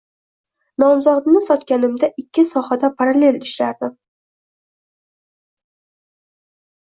Nomzodni sotganimda ikki sohada parallel ishlardim.